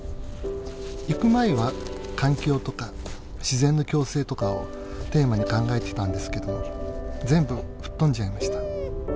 行く前は環境とか自然の共生とかをテーマに考えてたんですけども全部吹っ飛んじゃいました。